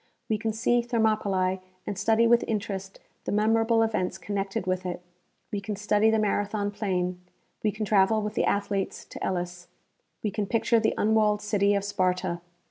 We can see Thermopylae and study with interest the memorable events connected with it; we can study the Marathon plain ; we can travel with the athletes to Elis ; we can picture the unwalled city of Sparta